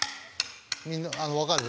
みんな分かる？